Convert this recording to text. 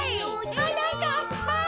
はなかっぱ！ん？